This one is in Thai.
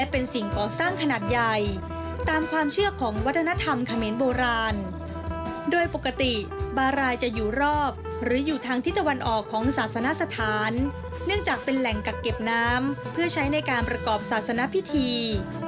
เพื่อใช้ในการประกอบศาสนพิธี